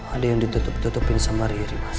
ada yang ditutup tutupin sama riri